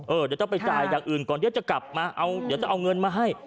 เดี๋ยวต้องไปจ่ายอย่างอื่นก่อนเดี๋ยวจะกลับมาเอาเดี๋ยวจะเอาเงินมาให้